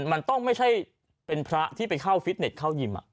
มันต้องไม่ใช่เป็นพระที่ไปเข้าฟิตเน็ตเข้ายิม